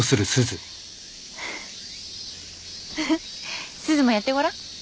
フフッすずもやってごらん。